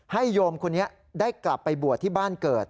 โยมคนนี้ได้กลับไปบวชที่บ้านเกิด